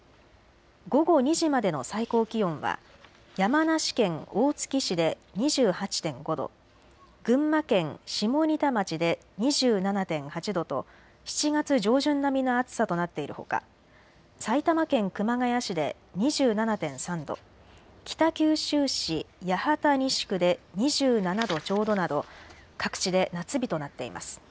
午後２時までの最高気温は山梨県大月市で２８．５度、群馬県下仁田町で２７．８度と７月上旬並みの暑さとなっているほか埼玉県熊谷市で２７．３度、北九州市八幡西区で２７度ちょうどなど各地で夏日となっています。